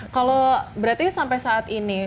kalau berarti sampai saat ini